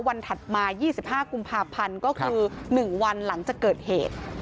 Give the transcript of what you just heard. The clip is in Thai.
ถัดมา๒๕กุมภาพันธ์ก็คือ๑วันหลังจากเกิดเหตุ